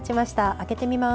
開けてみます。